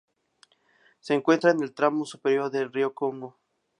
Se encuentra en el tramo superior del río Congo.